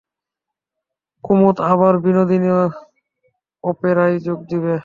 কুমুদ আবার বিনোদিনী অপেরায় যোগ দিবে।